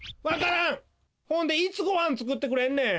ほんでいつごはんつくってくれんねん！